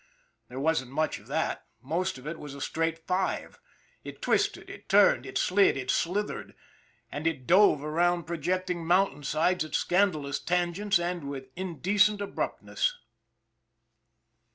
There wasn't much of that most of it was a straight five ! It twisted, it turned, it slid, it slithered, and it dove around projecting mountain sides at scan dalous tangents and with indecent abruptness.